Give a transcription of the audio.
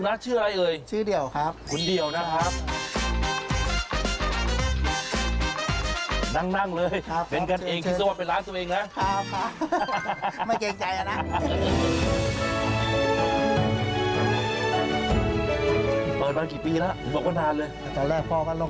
ลูกเหรอใช่ครับ